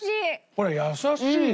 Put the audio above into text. これ優しいよ。